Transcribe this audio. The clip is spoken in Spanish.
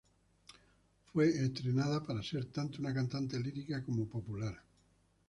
Fue entrenada para ser tanto una cantante lírica como popular.